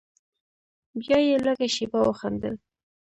بيا يې لږه شېبه وخندل.